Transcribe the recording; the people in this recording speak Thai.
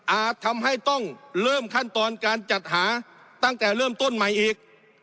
ทำให้ต้องเริ่มขั้นตอนการจัดหาตั้งแต่เริ่มต้นใหม่อีก